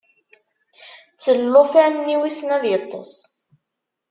Ttel llufan-nni wissen ad yeṭṭes.